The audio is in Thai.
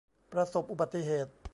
ประสบอุบัติเหตุ